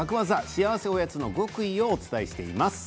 幸せおやつの極意をお伝えしています。